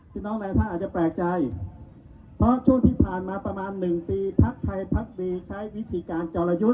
น้องหลายท่านอาจจะแปลกใจเพราะช่วงที่ผ่านมาประมาณหนึ่งปีพักไทยพักดีใช้วิธีการจรยุทธ์